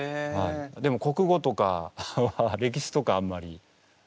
でも国語とか歴史とかはあんまり。